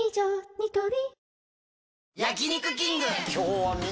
ニトリ